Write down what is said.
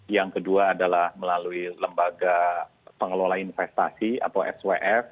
yang kedua adalah melalui lembaga pengelola investasi atau swf